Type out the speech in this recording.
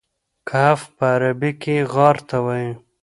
کهف په عربي کې غار ته وایي.